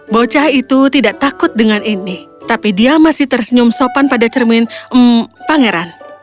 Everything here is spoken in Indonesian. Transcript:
bocah itu tidak takut dengan ini tapi dia masih tersenyum sopan pada cermin pangeran